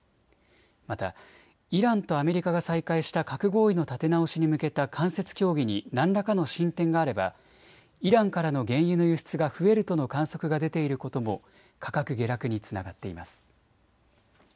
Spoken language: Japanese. またイランとアメリカが再開した核合意の立て直しに向けた間接協議に何らかの進展があればイランからの原油の輸出が増えるとの観測が出ていることも価格下落につながっています。